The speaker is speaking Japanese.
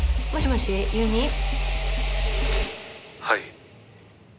「はい」